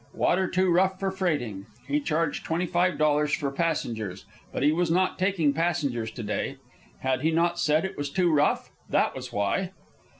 Water too rough for freighting. He charged twenty five dollars for passengers, but he was not taking passengers to day. Had he not said it was too rough? That was why.